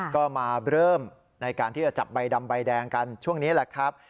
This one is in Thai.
ก็มาเริ่มในการที่จะจับใบดำใบแดงกันช่วงนี้แหละครับ